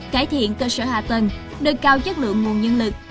cải thiện cơ sở hạ tầng đựng cao chất lượng nguồn nhân lực